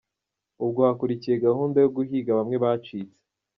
Ubwo hakurikiye gahunda yo guhiga bamwe bacitse.